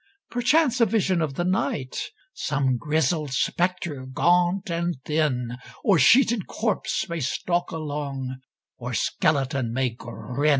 Perchance a vision of the night, Some grizzled spectre, gaunt and thin, Or sheeted corpse, may stalk along, Or skeleton may grin.